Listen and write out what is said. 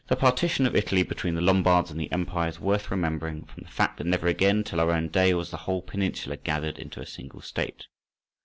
_) This partition of Italy between the Lombards and the empire is worth remembering, from the fact that never again, till our own day, was the whole peninsula gathered into a single state.